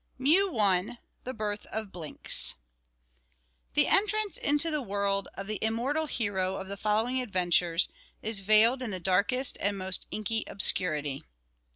MEW I. The Birth of Blinks. The entrance into the world, of the immortal hero of the following adventures, is veiled in the darkest and most inky obscurity.